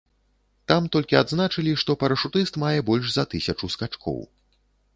Там толькі адзначылі, што парашутыст мае больш за тысячу скачкоў.